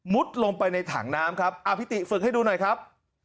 ลงไปในถังน้ำครับอภิติฝึกให้ดูหน่อยครับ